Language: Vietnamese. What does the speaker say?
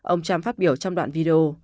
ông trump phát biểu trong đoạn video